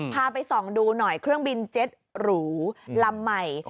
พาไปส่องดูหน่อยเครื่องบินเจ็ตหรูลำใหม่